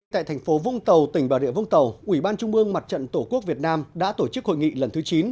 tại thành phố vũng tàu tỉnh bà rịa vũng tàu ủy ban trung mương mặt trận tổ quốc việt nam đã tổ chức hội nghị lần thứ chín